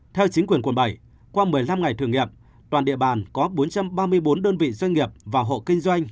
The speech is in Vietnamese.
theo chính quyền quận bảy qua một mươi năm ngày thử nghiệm toàn địa bàn có bốn trăm ba mươi bốn đơn vị doanh nghiệp và hộ kinh doanh